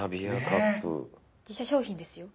自社商品ですよ。